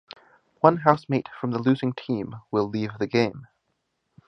One housemate from the losing team will leave the game.